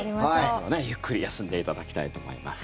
ゆっくり休んでいただきたいと思います。